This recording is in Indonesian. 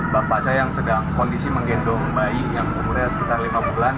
bapak saya yang sedang kondisi menggendong bayi yang umurnya sekitar lima bulan